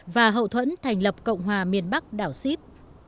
và hậu thuẫn thành lập cộng hòa miền bắc đảo sip